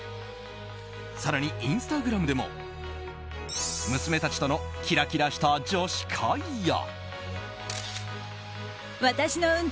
更に、インスタグラムでも娘たちとのキラキラした女子会や。